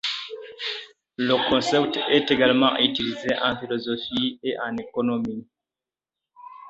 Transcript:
Le concept est également utilisé en philosophie et en économie.